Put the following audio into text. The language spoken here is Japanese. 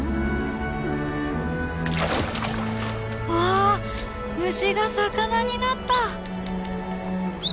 「わあ虫が魚になった！」。